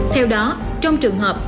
theo đó trong trường hợp